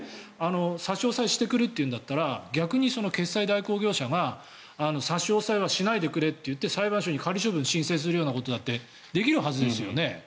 差し押さえしてくるというんだったら逆に決済代行業者が差し押さえはしないでくれと言って裁判所に仮処分を申請することだってできるわけですよね。